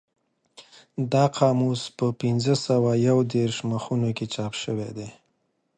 دا قاموس په پینځه سوه یو دېرش مخونو کې چاپ شوی دی.